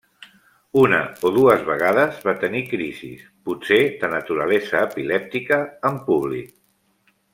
Una o dues vegades va tenir crisis, potser de naturalesa epilèptica, en públic.